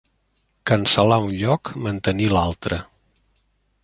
Cancel·lar un lloc, mantenir l'altre.